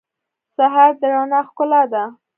سهار د رڼا ښکلا ده.